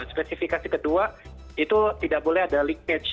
spesifikasi kedua itu tidak boleh ada lickage